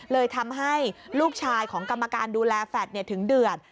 เลยทำให้ลูกชายของกรรมการดูแลแฟลตถึงเดือด